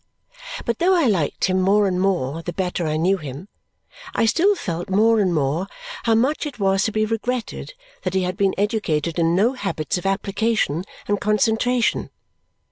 But though I liked him more and more the better I knew him, I still felt more and more how much it was to be regretted that he had been educated in no habits of application and concentration.